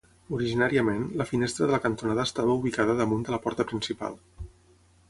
Originàriament, la finestra de la cantonada estava ubicada damunt de la porta principal.